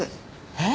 えっ？